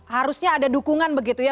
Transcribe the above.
harusnya ada dukungan begitu ya